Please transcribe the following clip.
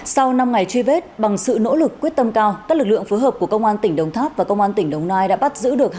sau năm ngày truy vết bằng sự nỗ lực quyết tâm cao các lực lượng phối hợp của công an tỉnh đồng tháp và công an tỉnh đồng nai đã bắt giữ được